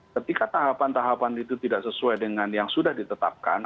ketika tahapan tahapan itu tidak sesuai dengan yang sudah ditetapkan